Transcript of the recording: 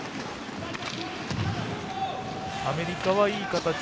アメリカはいい形。